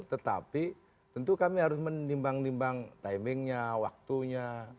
tetapi tentu kami harus menimbang nimbang timingnya waktunya